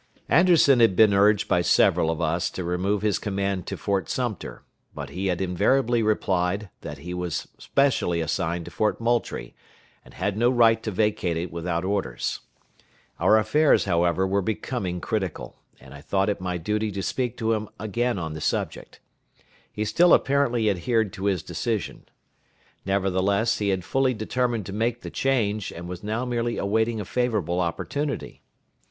'" Anderson had been urged by several of us to remove his command to Fort Sumter, but he had invariably replied that he was specially assigned to Fort Moultrie, and had no right to vacate it without orders. Our affairs, however, were becoming critical, and I thought it my duty to speak to him again on the subject. He still apparently adhered to his decision. Nevertheless, he had fully determined to make the change, and was now merely awaiting a favorable opportunity.